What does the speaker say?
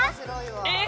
えっ？